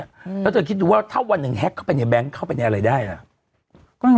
แล้วเธอคิดดูว่าถ้าวันหนึ่งแก๊กเข้าไปในแง๊งเข้าไปในอะไรได้ล่ะ